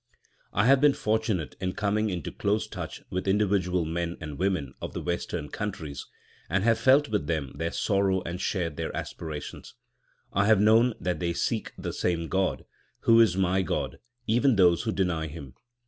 I have been fortunate in coming into close touch with individual men and women of the Western countries, and have felt with them their sorrows and shared their aspirations. I have known that they seek the same God, who is my God—even those who deny Him.